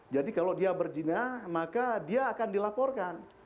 jadi kalau dia berzina maka dia akan dilaporkan